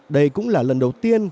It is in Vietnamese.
đây cũng là lần đầu tiên